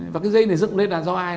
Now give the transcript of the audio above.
và cái dây này dựng lên là do ai